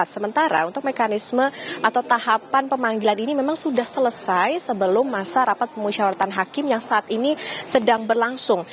sementara untuk mekanisme atau tahapan pemanggilan ini memang sudah selesai sebelum masa rapat pemusyawaratan hakim yang saat ini sedang berlangsung